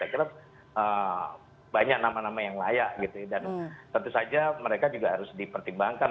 saya kira banyak nama nama yang layak gitu dan tentu saja mereka juga harus dipertimbangkan